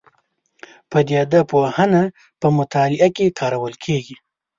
پدیده پوهنه په مطالعه کې کارول کېږي.